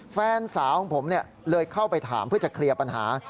แฟนสาวของผมเลยเข้าไปถามเพื่อจะเคลียร์ปัญหา